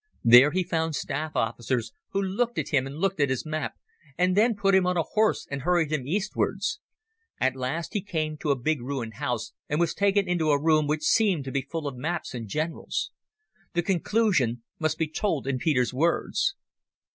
There he found staff officers, who looked at him and looked at his map, and then put him on a horse and hurried him eastwards. At last he came to a big ruined house, and was taken into a room which seemed to be full of maps and generals. The conclusion must be told in Peter's words.